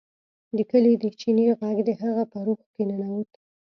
د کلي د چینې غږ د هغه په روح کې ننوت